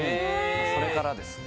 それからですね。